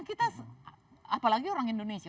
kita apalagi orang indonesia